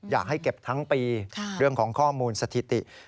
อยากให้เก็บทั้งปีเรื่องของข้อมูลสถิติ